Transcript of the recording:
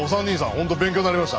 本当勉強になりました。